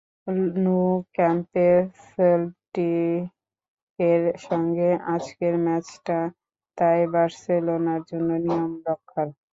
Nou ক্যাম্পে সেল্টিকের সঙ্গে আজকের ম্যাচটা তাই বার্সেলোনার জন্য নিয়ম রক্ষার।